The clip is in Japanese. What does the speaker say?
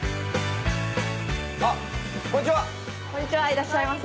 いらっしゃいませ。